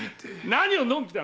何をのんきな！